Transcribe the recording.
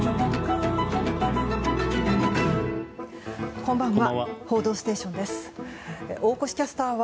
こんばんは。